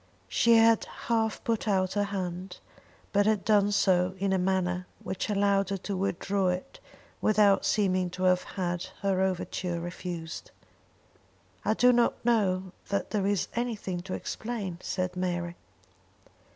She had half put out her hand, but had done so in a manner which allowed her to withdraw it without seeming to have had her overture refused. "I do not know that there is anything to explain," said Mary.